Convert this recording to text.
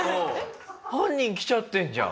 犯人来ちゃってるじゃん。